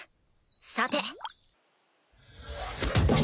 さて。